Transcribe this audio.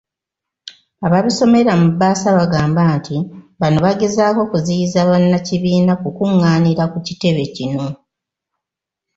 Ababisomera mu bbaasa bagamba nti bano bagezaako kuziyiza bannakibiina kukung'aanira ku kitebe kino.